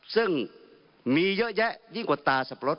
ซึ่งมีเยอะแยะยิ่งกว่าตาสับปะรด